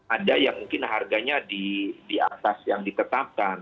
ada yang mungkin harganya di atas yang ditetapkan